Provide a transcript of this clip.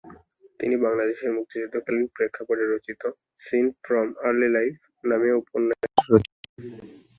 তিনি বাংলাদেশের মুক্তিযুদ্ধকালীন প্রেক্ষাপটে রচিত "সিন ফ্রম আর্লি লাইফ" নামীয় উপন্যাসের রচয়িতা।